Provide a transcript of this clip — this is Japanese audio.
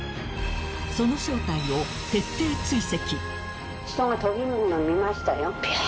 その正体を徹底追跡。